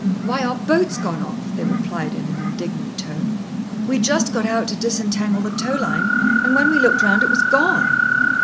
"Why, our boat's gone off!" they replied in an indignant tone. "We just got out to disentangle the tow line, and when we looked round, it was gone!"